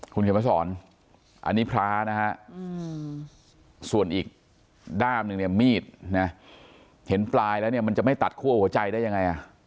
คุณเขียนมาสอนอันนี้พระนะฮะส่วนอีกด้ามหนึ่งเนี่ยมีดนะเห็นปลายแล้วเนี่ยมันจะไม่ตัดคั่วหัวใจได้ยังไง